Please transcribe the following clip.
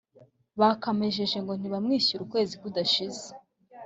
bakamejeje ngo ntibamwishyura ukwezi kudashize